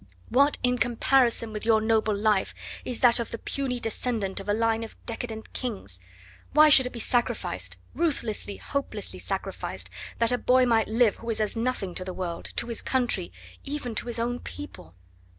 What, in comparison with your noble life, is that of the puny descendant of a line of decadent kings? Why should it be sacrificed ruthlessly, hopelessly sacrificed that a boy might live who is as nothing to the world, to his country even to his own people?"